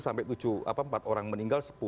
sampai empat orang meninggal